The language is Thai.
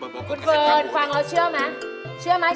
พี่เฟิร์นความเราก็เชื่อไหม